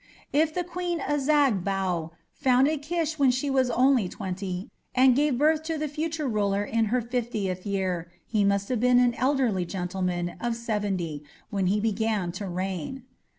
If the Queen Azag Bau founded Kish when she was only twenty, and gave birth to the future ruler in her fiftieth year, he must have been an elderly gentleman of seventy when he began to reign.